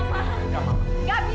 mama enggak mama